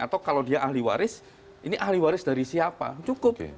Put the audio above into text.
atau kalau dia ahli waris ini ahli waris dari siapa cukup